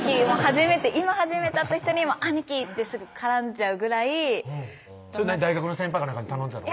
今初めて会った人に「兄貴！」ってすぐ絡んじゃうぐらいそれ大学の先輩か何かに頼んでたの？